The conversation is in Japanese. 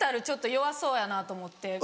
ちょっと弱そうやなと思って。